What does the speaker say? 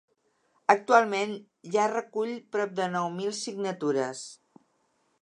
Actualment, ja recull prop de nou mil signatures.